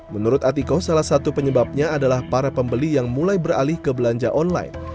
menurut atiko salah satu penyebabnya adalah para pembeli yang mulai beralih ke belanja online